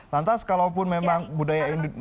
lantas kalaupun memang budaya ini